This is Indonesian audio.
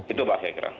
itu pak saya kira